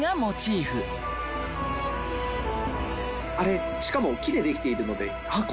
あれしかも木でできているのであっ